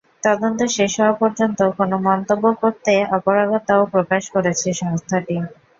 তদন্ত শেষ হওয়া পর্যন্ত কোনো মন্তব্য করতে অপারগতাও প্রকাশ করেছে সংস্থাটি।